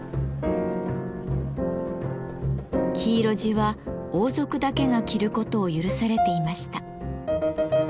黄色地は王族だけが着ることを許されていました。